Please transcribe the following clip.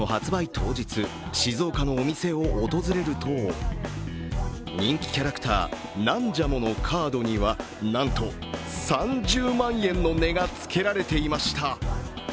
当日、静岡のお店を訪れると人気キャラクターナンジャモのカードにはなんと３０万円の値がつけられていました。